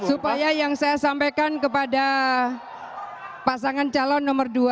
supaya yang saya sampaikan kepada pasangan calon nomor dua